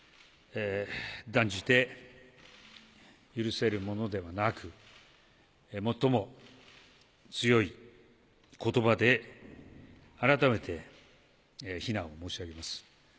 断じて許せるものではなく、最も強いことばで改めて非難を申し上げます。